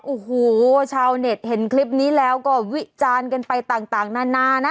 โอ้โหชาวเน็ตเห็นคลิปนี้แล้วก็วิจารณ์กันไปต่างนานานะ